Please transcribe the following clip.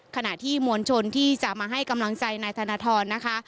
ขณะที่มวลชนที่จะมาให้กำลังใจนายธนทรนะคะ